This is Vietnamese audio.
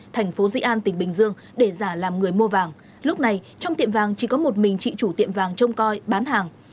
thành phố di an tỉnh bình dương để giả làm người mua vàng lúc này trong tiệm vàng chỉ có một mình trị chủ tiệm vàng trông coi bán hàng